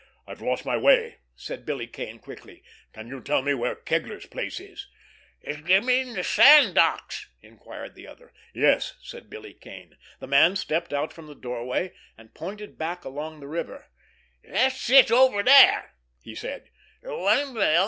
"I've lost my way," said Billy Kane quickly. "Can you tell me where Kegler's place is?" "You mean the sand docks?" inquired the other. "Yes," said Billy Kane. The man stepped out from the doorway, and pointed back along the river. "That's it over there," he said.